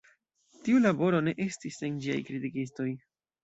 Tiu laboro ne estis sen ĝiaj kritikistoj.